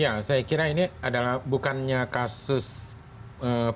ya saya kira ini adalah bukannya kasus